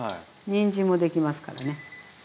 にんじんもできますからね。